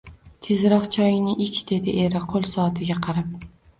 Tezroq choyingni ich, dedi eri qo`lsoatiga qarab